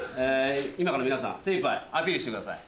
今から皆さん精いっぱいアピールしてください。